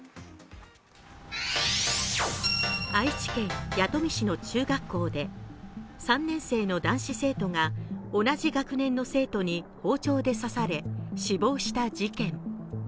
愛知県弥富市の中学校で３年生の男子生徒が同じ学年の生徒に包丁で刺され死亡した事件。